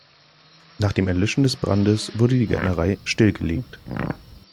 Nach dem Erlöschen des Brandes wurde die Gärtnerei stillgelegt.